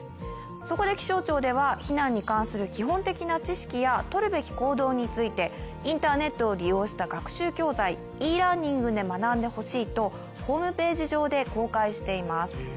そこで気象庁では避難に関する基本的な知識やとるべき行動についてインターネットを利用した学習教材、ｅラーニングで学んでほしいとホームページ上で公開しています。